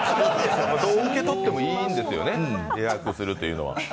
どう受け取ってもいいんですよね、和訳するというのは。